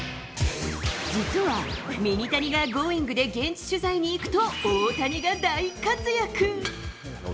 実は、ミニタニがＧｏｉｎｇ！で現地取材に行くと、大谷が大活躍。